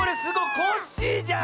コッシーじゃん！